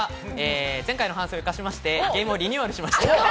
前回の反省を生かして、ゲームをリニューアルしました。